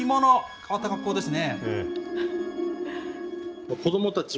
変わった格好ですね。